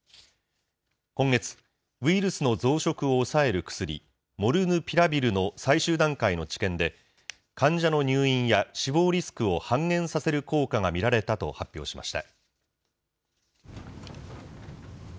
今月、ウイルスの増殖を抑える薬、モルヌピラビルの最終段階の治験で、患者の入院や死亡リスクを半減させる効果が見られたと発表しました。